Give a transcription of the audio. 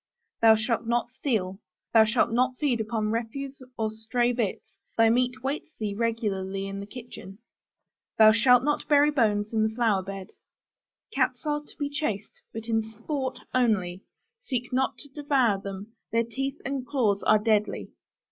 Thou shalt not steal. Thou shalt not feed upon refuse or stray bits: thy meat waits thee regularly in the kitchen. Thou shalt not bury bones in the flower beds. Cats are to be chased, but in sport only; seek not to devour them: their teeth and claws are deadly.